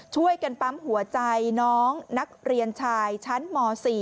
ช่วยกันปั๊มหัวใจน้องนักเรียนชายชั้นม๔